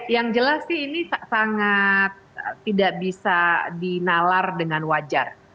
yang jelas sih ini sangat tidak bisa dinalar dengan wajar